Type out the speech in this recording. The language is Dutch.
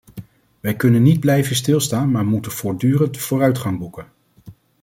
Wij kunnen niet blijven stilstaan maar moeten voortdurend vooruitgang boeken.